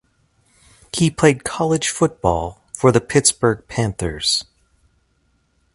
He played college football for the Pittsburgh Panthers.